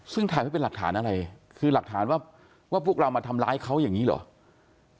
ซึ่งถ่ายไว้เป็นหลักฐานอะไรคือหลักฐานว่าว่าพวกเรามาทำร้ายเขาอย่างนี้เหรอ